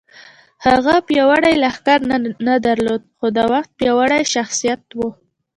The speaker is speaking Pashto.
هغه پیاوړی لښکر نه درلود خو د وخت پیاوړی شخصیت و